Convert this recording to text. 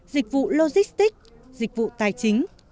và công chí biến